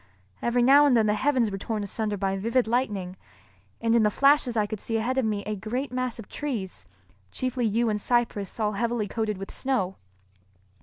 Every now and then the heavens were torn asunder by vivid lightning, and in the flashes I could see ahead of me a great mass of trees, chiefly yew and cypress all heavily coated with snow.